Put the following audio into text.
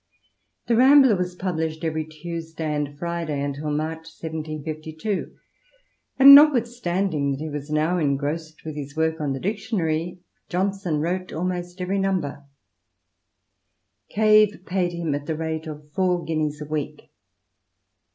The Rambler was pub lished every Tuesday and Friday until March 1752, and not withstanding that he was now engrossed with his work on the dictionary, Johnson wrote almost every number ; Cave paid him at the rate of four guineas a week.